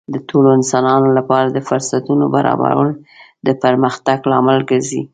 د ټولو انسانانو لپاره د فرصتونو برابرول د پرمختګ لامل ګرځي.